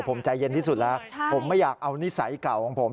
ผมใจเย็นที่สุดแล้วผมไม่อยากเอานิสัยเก่าของผม